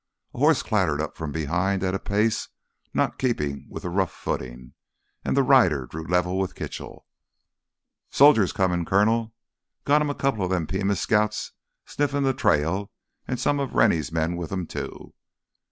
A horse clattered up from behind at a pace not in keeping with the rough footing, and the rider drew level with Kitchell. "Soldiers comin', Colonel. Got 'em a couple o' them Pima Scouts sniffin' th' trail an' some o' Rennie's men with 'em, too!"